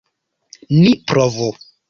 Ni provu!